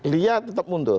dia tetap mundur